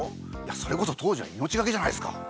それこそ当時は命がけじゃないすか。